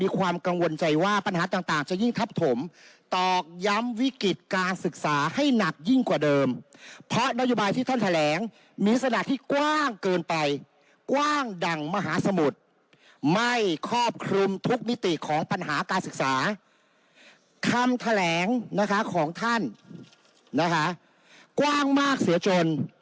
กว้างเกินไปกว้างดังมาสมุทรไม่ครอบคลุมทุกมิติของปัญหาการศึกษาคำแถลงนะคะของท่านนะคะกว้างมากเสียจน